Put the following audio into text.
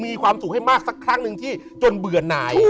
มีความสุขให้บ้างจนเบื่อนาย